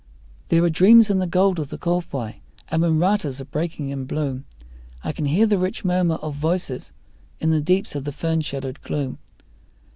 There are dreams in the gold of the kowhai, and when ratas are breaking in bloom I can hear the rich murmur of voices in the deeps of the fern shadowed gloom.